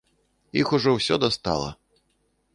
Іх ужо ўсё дастала.